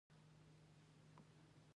د انګورو تاکونه د سوخت لپاره دي.